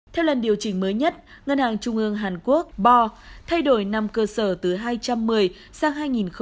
theo lần điều chỉnh mới nhất ngân hàng trung ương hàn quốc bor thay đổi năm cơ sở từ hai trăm một mươi sang hai nghìn một mươi